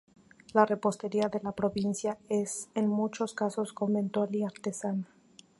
La repostería de la provincia es en muchos casos conventual y artesana.